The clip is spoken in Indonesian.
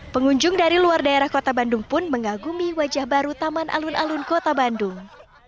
pengunjung dari luar daerah kota bandung pun mengagumi wajah baru taman alun alun kota bandung